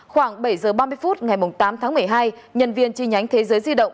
khoảng bảy giờ ba mươi phút ngày tám tháng một mươi hai nhân viên chi nhánh thế giới di động